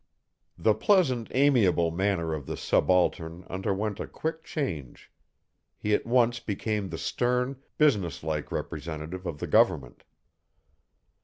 The pleasant, amiable manner of the subaltern underwent a quick change. He at once became the stern, businesslike representative of the government.